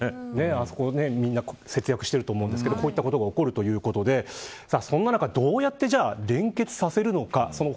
あそこはみんな、節約してると思うんですけどこういったことが起こるということでそんな中どうやって連結させるのか。